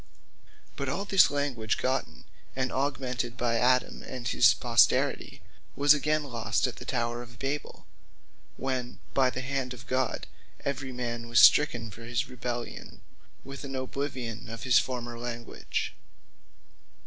But all this language gotten, and augmented by Adam and his posterity, was again lost at the tower of Babel, when by the hand of God, every man was stricken for his rebellion, with an oblivion of his former language.